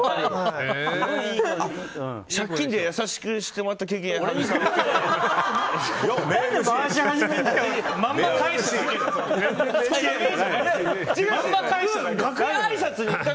借金で優しくしてもらった経験ありますか？